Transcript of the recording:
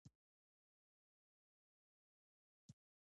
افغانستان د خپلو بزګانو له پلوه یو متنوع هېواد دی.